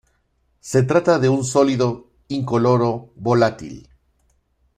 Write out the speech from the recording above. Se trata de un sólido incoloro volátil.